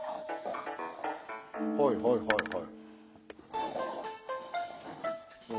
はいはいはいはい。